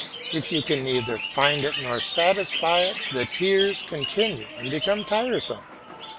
If you can neither find it nor satisfy it, the tears continue and become tiresome.